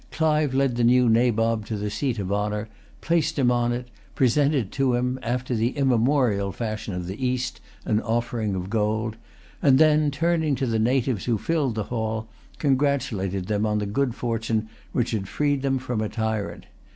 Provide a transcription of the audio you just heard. Clive led the new Nabob to the seat of honour, placed him on it, presented to him, after the immemorial fashion of the East, an offering of gold, and then, turning to the natives who filled the hall, congratulated them on the good fortune which had freed them from a tyrant.